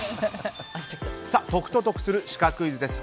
解くと得するシカクイズです。